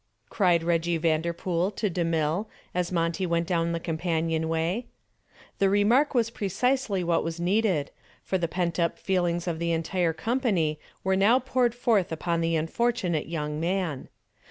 cried Reggie Vanderpool to DeMille as Monty went down the companionway. The remark was precisely what was needed, for the pent up feelings of the entire company were now poured forth upon the unfortunate young man.